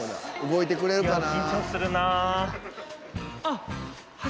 「動いてくれるかな？」